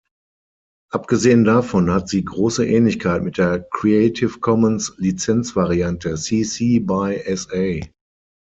Abgesehen davon hat sie große Ähnlichkeit mit der Creative Commons-Lizenzvariante cc-by-sa.